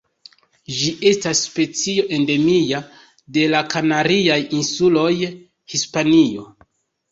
Ĝi estas specio endemia de la Kanariaj Insuloj, Hispanio.